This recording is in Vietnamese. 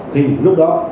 thì lúc đó